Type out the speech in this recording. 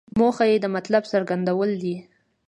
موخه یې د مطلب څرګندول دي.